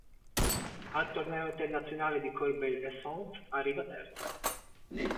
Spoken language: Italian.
Al Torneo Internazionale di Corbeil-Essonnes arriva terza.